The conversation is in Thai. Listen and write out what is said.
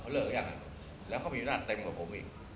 เขาเลิกยังไงแล้วเขามีหน้าเต็มกว่าผมอีก